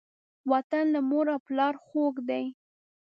وطن له مور او پلاره خوږ دی.